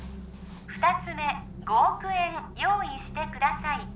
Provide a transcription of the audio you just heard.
二つ目５億円用意してください